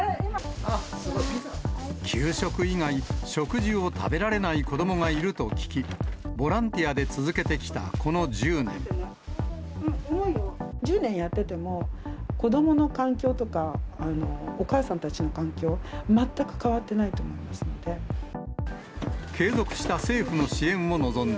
給食以外、食事を食べられない子どもがいると聞き、ボランティアで続けてき１０年やってても、子どもの環境とか、お母さんたちの環境、全く変わってないと思いますので。